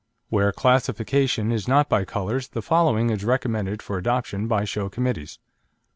Where classification is not by colours the following is recommended for adoption by show committees: 1.